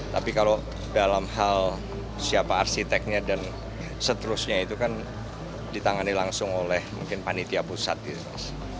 tapi kalau dalam hal siapa arsiteknya dan seterusnya itu kan ditangani langsung oleh mungkin panitia pusat gitu mas